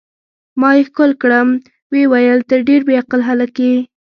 ما یې ښکل کړم، ویې ویل: ته ډېر بې عقل هلک یې.